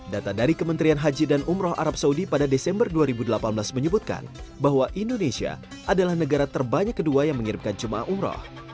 data dari kementerian haji dan umroh arab saudi pada desember dua ribu delapan belas menyebutkan bahwa indonesia adalah negara terbanyak kedua yang mengirimkan jemaah umroh